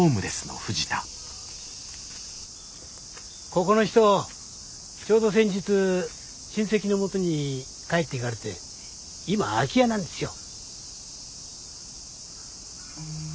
ここの人ちょうど先日親戚のもとに帰っていかれて今空き家なんですよ。